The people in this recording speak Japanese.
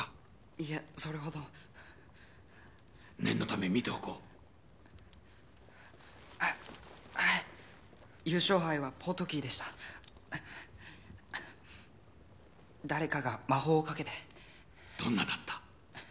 いえそれほど念のため見ておこう優勝杯はポートキーでした誰かが魔法をかけてどんなだった？